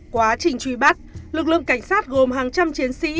quá trình truy bắt lực lượng cảnh sát gồm hàng trăm chiến sĩ